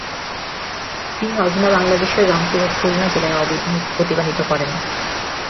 তিনি অধুনা বাংলাদেশের রংপুর ও খুলনা জেলায় অতিবাহিত করেন।